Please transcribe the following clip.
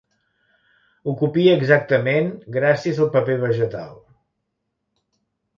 Ho copia exactament gràcies al paper vegetal.